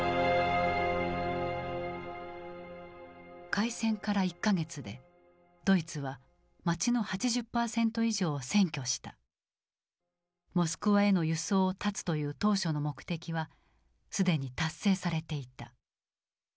開戦から１か月でドイツは街のモスクワへの輸送を断つという当初の目的は既に達成されていた。